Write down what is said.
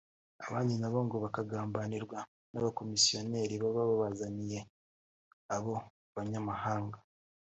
abandi nabo ngo bakagambanirwa n’abakomisiyoneri baba babazaniye abo banyamahanga